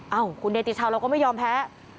เอ้าขุนเด็ดติดเช้าเราก็ไม่ยอมแพ้